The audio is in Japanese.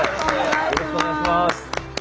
よろしくお願いします。